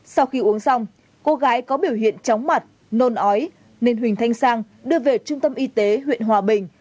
sau khi uống xong cô gái có biểu hiện chóng mặt nôn ói nên huỳnh thanh sang đưa về trung tâm y tế huyện hòa bình